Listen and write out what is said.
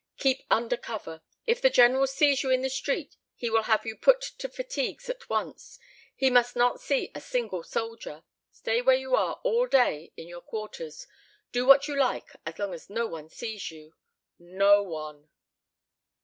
Keep under cover. If the General sees you in the street, he will have you put to fatigues at once. He must not see a single soldier. Stay where you are all day in your quarters. Do what you like as long as no one sees you no one!"